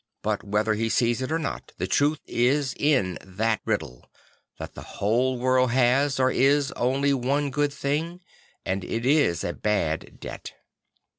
But whether he sees it or not, the truth is in that riddle; that the whole world has, or is, only one good thing; and it is a bad debt.